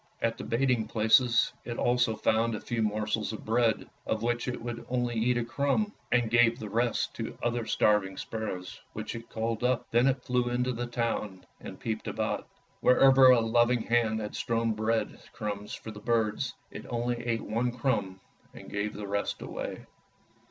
At the baiting places it also found a few morsels of bread, of which it would only eat a crumb, and gave the rest to the other starving sparrows which it called up. Then it flew into the town and peeped about. Wherever a loving hand had strewn bread crumbs for the birds, it only ate one crumb and gave the rest away.